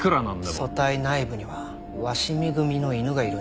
組対内部には鷲見組の犬がいるんですよね？